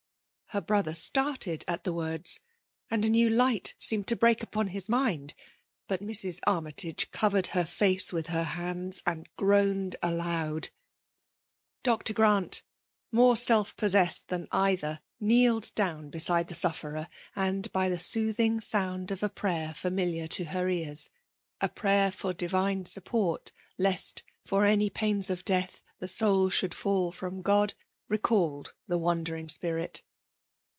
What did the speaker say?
Her brother started at {he words, and a new light seemed to break upon his mind ; but Mrs. Armytage covered her face with her hands, and groaned aloud. Dr. Grant^more self possessed than either, kneeled down be t side the sufferer, and, by the soothing sound of a prayer familiar to her ears, — a prayer for Divine support lest for any pains of death the soul should fall from Ood," recalled the wandering spirit.